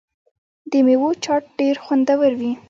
د میوو چاټ ډیر خوندور وي.